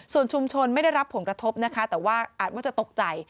ส่วนชุมชนไม่ได้รับผลกระทบนะคะแต่ว่าอาจว่าจะตกใจ